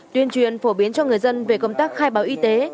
tuyên truyền phổ biến cho người dân về công tác khai báo y tế